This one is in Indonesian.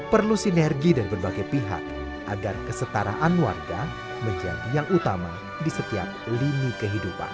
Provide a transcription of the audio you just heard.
perlu sinergi dari berbagai pihak agar kesetaraan warga menjadi yang utama di setiap lini kehidupan